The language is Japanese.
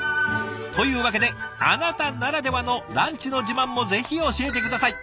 というわけであなたならではのランチの自慢もぜひ教えて下さい。